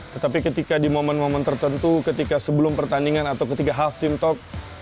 tetapi ketika di momen momen tertentu ketika sebelum pertandingan atau ketika half team talk